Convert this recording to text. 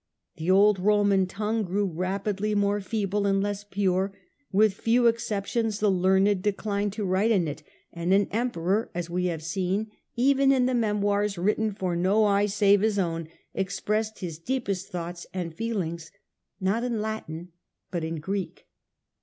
The old Roman tongue grew rapidly more feeble and less pure, with few exceptions the learned declined to write in it, and an Emperor, as we have seen, even in the memoirs written for no eye save his own, expressed his deepest thoughts and feelings not in Latin but in Greek.